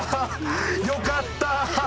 よかった。